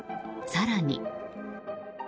更に。